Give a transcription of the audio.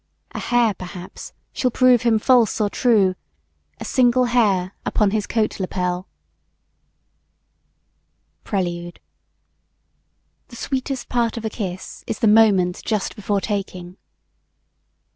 A hair, perhaps, shall prove him false or true A single hair upon his coat lapel! PRELUDE THE sweetest part of a kiss is the moment just before taking.